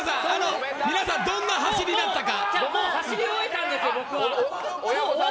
皆さんどういう走りだったか。